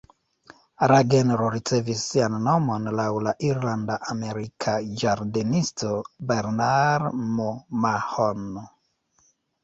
La genro ricevis sian nomon laŭ la irlanda-amerika ĝardenisto Bernard M’Mahon.